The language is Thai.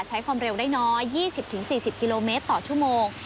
ใช้ความเร็วได้น้อย๒๐๔๐กิโลเมตรต่อชั่วโมง